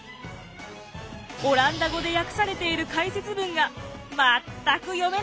オランダ語で訳されている解説文が全く読めなかったのです。